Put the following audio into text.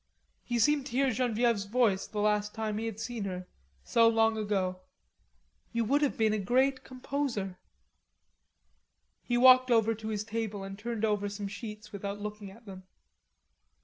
He seemed to hear Genevieve's voice the last time he had seen her, so long ago. "You would have been a great composer." He walked over to the table and turned over some sheets without looking at them.